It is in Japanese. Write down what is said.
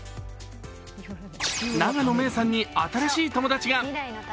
永野芽郁さんに新しい友達が。